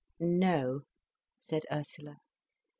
"No," said Ursula.